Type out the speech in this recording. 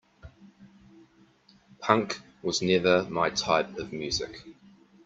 Punk was never my type of music.